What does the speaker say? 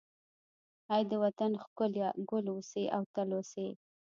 ای د وطن ښکليه، ګل اوسې او تل اوسې